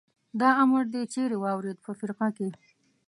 دا امر دې چېرې واورېد؟ په فرقه کې.